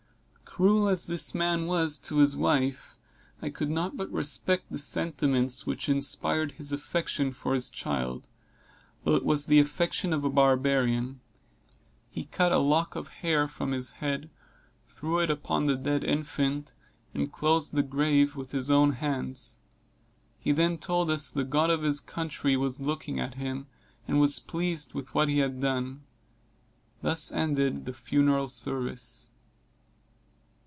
Cruel as this man was to his wife, I could not but respect the sentiments which inspired his affection for his child; though it was the affection of a barbarian. He cut a lock of hair from his head, threw it upon the dead infant, and closed the grave with his own hands. He then told us the God of his country was looking at him, and was pleased with what he had done. Thus ended the funeral service.